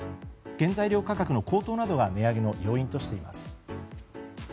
原材料価格の高騰などが値上げの要因としています。